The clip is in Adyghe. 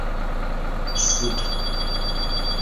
Шъитӏу.